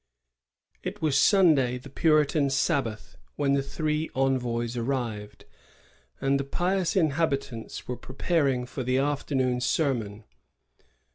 It was Sunday, the Puritan Sabbath, when the three envoys arrived; and the pious inhabitants were 42 THE VICTOR YANQUISHED. [1M6. preparing for the afternoon sermon.